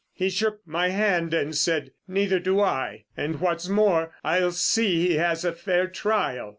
He shook my hand and said: 'Neither do I; and what's more, I'll see he has a fair trial.